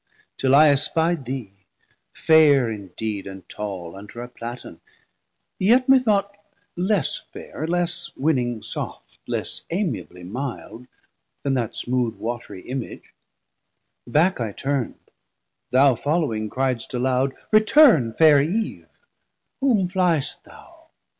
Till I espi'd thee, fair indeed and tall, Under a Platan, yet methought less faire, Less winning soft, less amiablie milde, Then that smooth watry image; back I turnd, 480 Thou following cryd'st aloud, Return fair Eve, Whom fli'st thou?